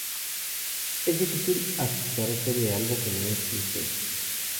Es difícil asustarse de algo que no existe.